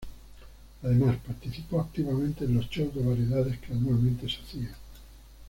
Además, participó activamente en los shows de variedades que anualmente se hacían.